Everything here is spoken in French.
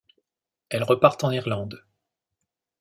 Elle repart en Irlande.